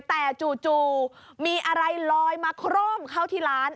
แต่จู่มีอะไรลอยมาโคร่มเข้าที่ร้าน